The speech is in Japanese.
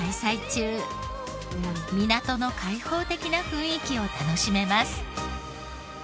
港の開放的な雰囲気を楽しめます。